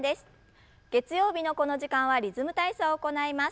月曜日のこの時間は「リズム体操」を行います。